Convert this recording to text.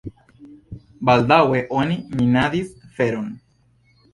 Baldaŭe oni minadis feron.